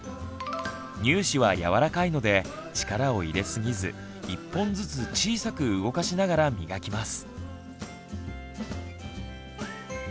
乳歯はやわらかいので力を入れすぎず１本ずつ小さく動かしながら磨きます。